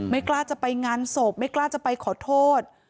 กล้าจะไปงานศพไม่กล้าจะไปขอโทษ